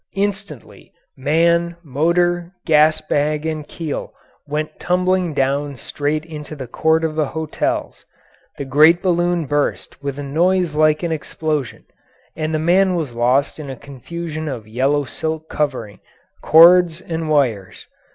Instantly man, motor, gas bag, and keel went tumbling down straight into the court of the hotels. The great balloon burst with a noise like an explosion, and the man was lost in a confusion of yellow silk covering, cords, and wires.